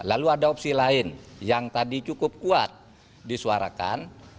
lalu ada opsi lain yang tadi cukup kuat disuarakan